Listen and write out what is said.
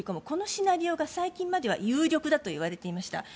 このシナリオが最近までは有力だと言われていました。